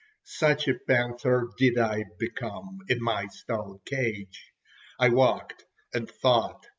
Such a panther did I become in my stone cage. I walked and thought.